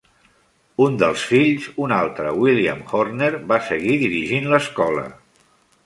Un dels fills, un altre William Horner, va seguir dirigint l'escola.